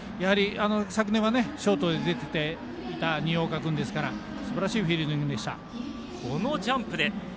昨年はショートで出てた新岡君でしたからすばらしいフィールディングでした。